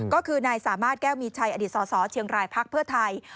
ก็คือนายสามารถแก้วมีชัยอดีตสสเชียงรายพักเพื่อไทย